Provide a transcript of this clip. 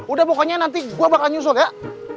udah pokoknya nanti gue bakal nyusul ya